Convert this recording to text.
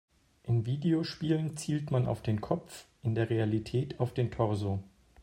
In Videospielen zielt man auf den Kopf, in der Realität auf den Torso.